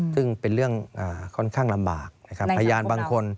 ซึ่งเป็นเรื่องค่อนข้างลำบาก